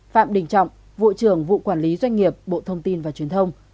phạm đình trọng vụ trưởng vụ quản lý doanh nghiệp bộ thông tin và truyền thông